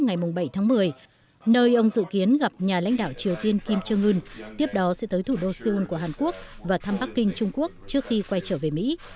ngoại trưởng mỹ sẽ đến bình nhưỡng ngày bảy tháng một mươi nơi ông dự kiến gặp nhà lãnh đạo triều tiên kim trương ưn tiếp đó sẽ tới thủ đô seoul của hàn quốc và thăm bắc kinh trung quốc trước khi quay trở về mỹ